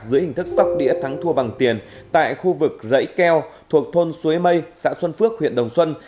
dưới hình thức sóc đĩa thắng thua bằng tiền tại khu vực rẫy keo thuộc thôn xuế mây xã xuân phước huyện đồng xuân